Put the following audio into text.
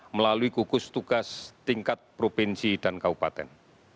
melalui gugus tugas tingkat provinsi dan kabupaten